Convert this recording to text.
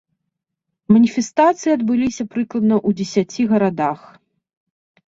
Маніфестацыі адбыліся прыкладна ў дзесяці гарадах.